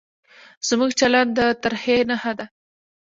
زموږ چلند د ترهې نښه ده.